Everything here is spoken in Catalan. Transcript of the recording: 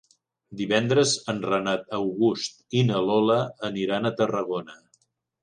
Divendres en Renat August i na Lola aniran a Tarragona.